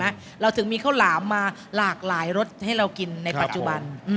เราถึงมีข้าวหลามมาหลากหลายรสให้เรากินในปัจจุบัน